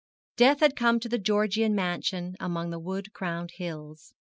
Death had come to the Georgian mansion among the wood crowned hills.